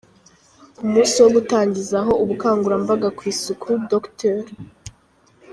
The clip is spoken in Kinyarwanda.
Ku munsi wo gutangizaho ubukangurambaga ku isuku, Dr.